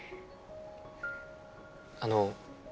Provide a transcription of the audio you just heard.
あの。